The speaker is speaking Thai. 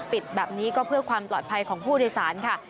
ปิดแบบนี้ก็เพื่อความปลอดภัยของผู้โดยสารค่ะ